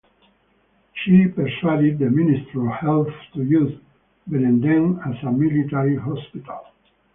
She persuaded the Ministry of Health to use Benenden as a military hospital.